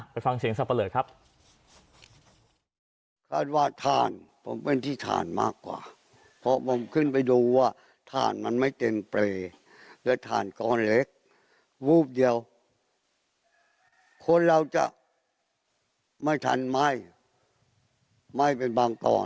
ไปฟังเสียงสับปะเลอครับ